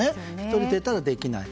１人出たらできない。